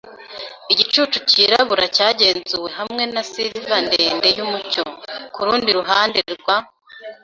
igicucu cyirabura cyagenzuwe hamwe na silver ndende yumucyo. Kurundi ruhande rwa